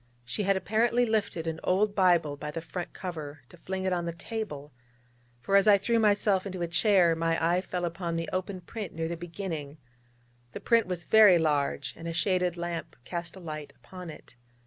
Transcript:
She had apparently lifted an old Bible by the front cover to fling it on the table, for as I threw myself into a chair my eye fell upon the open print near the beginning. The print was very large, and a shaded lamp cast a light upon it.